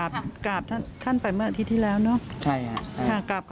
แม่ตอบฉันเลยว่าแม่ไม่รักทนายเดชาแล้วลองฟังดูนะคะ